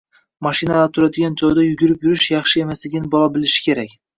Mashinalar turadigan joyda yugurib yurish yaxshi emasligini bola bilishi kerak.